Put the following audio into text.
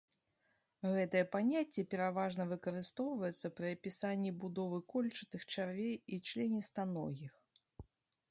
Гэтае паняцце пераважна выкарыстоўваецца пры апісанні будовы кольчатых чарвей і членістаногіх.